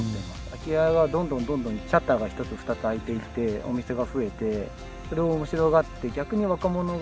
空き家がどんどんどんどんシャッターが１つ２つ開いていってお店が増えてそれを面白がって逆に若者が阿下喜に来るみたいな。